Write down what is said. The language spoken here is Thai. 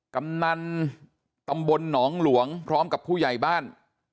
กำนันตำบลหนองหลวงพร้อมกับผู้ใหญ่บ้าน